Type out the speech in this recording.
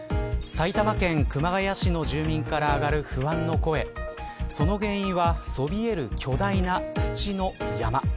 埼玉県熊谷市の住民から上がる不安の声その原因はそびえる巨大な土の山。